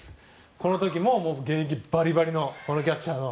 この時も現役バリバリのキャッチャーの。